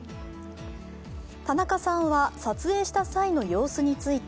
田中さんは撮影した際の様子について